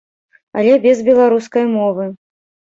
Але без беларускай мовы.